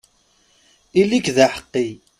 Ili-k d aḥeqqi!